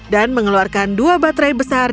dan mengeluarkan dua baterai besar